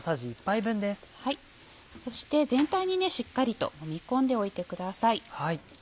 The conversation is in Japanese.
そして全体にしっかりともみ込んでおいてください。